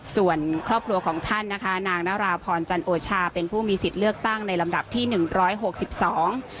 ส่วนครอบครัวของท่านนะคะนางนาราพรจันโอชาเป็นผู้มีสิทธิ์เลือกตั้งในลำดับที่หนึ่งร้อยหกสิบสอง